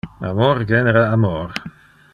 Amor genera amor.